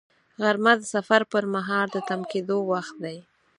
غرمه د سفر پر مهال د تم کېدو وخت دی